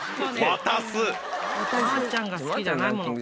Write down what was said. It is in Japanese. まーちゃんが好きじゃないもの。